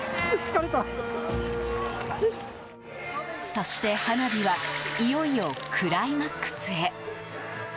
そして花火はいよいよクライマックスへ。